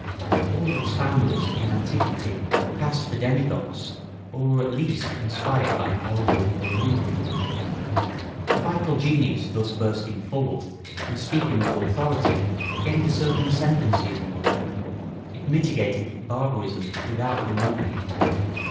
All its founders in antiquity passed for demi gods or were at least inspired by an oracle or a nymph. The vital genius thus bursting forth and speaking with authority gained a certain ascendency in the world; it mitigated barbarism without removing it.